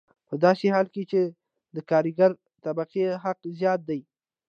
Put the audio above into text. په داسې حال کې چې د کارګرې طبقې حق زیات دی